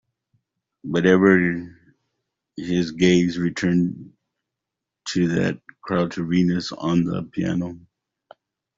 But ever his gaze returned to that Crouched Venus on the piano.